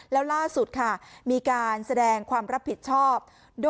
แล้วล่าสุดค่ะมีการแสดงความรับผิดชอบ